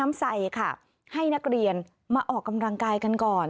มาออกกำลังกายกันก่อน